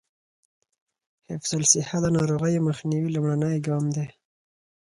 حفظ الصحه د ناروغیو مخنیوي لومړنی ګام دی.